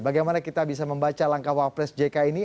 bagaimana kita bisa membaca langkah wapres jk ini